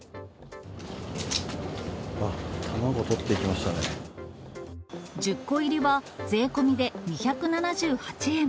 あっ、１０個入りは税込みで２７８円。